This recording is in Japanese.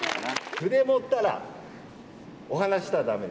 筆持ったらお話したらだめね。